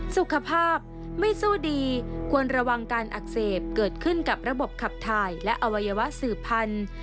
สุขภาพไม่สู้ดีควรระวังการอักเสบเกิดขึ้นกับระบบขับถ่ายและอวัยวะสืบพันธุ์